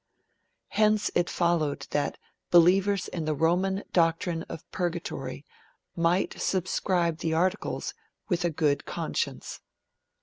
Hence it followed that believers in the Roman doctrine of Purgatory might subscribe the Articles with a good conscience.